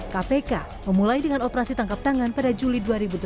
kpk memulai dengan operasi tangkap tangan pada juli dua ribu delapan belas